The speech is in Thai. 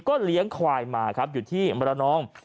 เลี้ยงควายมาครับอยู่ที่มรนอง